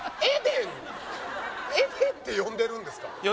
エデンって呼んでるんですか